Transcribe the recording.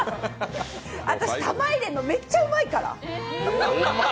あたし、玉入れるのめっちゃうまいから。